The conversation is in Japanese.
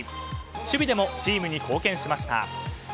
守備でもチームに貢献しました。